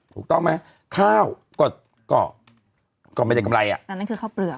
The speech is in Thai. ถูกต้องไหมข้าวก็ก็ไม่ได้กำไรอ่ะอันนั้นคือข้าวเปลือก